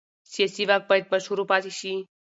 سیاسي واک باید مشروع پاتې شي